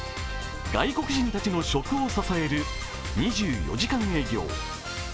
外国人たちの食を支える２４時間営業。